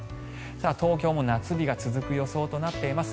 東京も夏日が続く予想となっています。